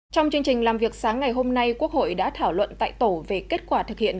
trong chương trình làm việc sáng ngày hôm nay quốc hội đã thảo luận tại tổ về kết quả thực hiện